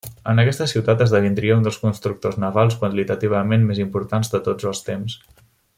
En aquesta ciutat esdevindria un dels constructors navals qualitativament més importants de tots els temps.